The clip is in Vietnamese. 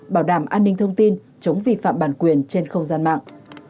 bảo đảm an ninh thông tin chống vi phạm bản quyền trên không gian mạng